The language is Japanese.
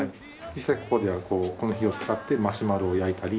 実際ここではこの火を使ってマシュマロを焼いたり。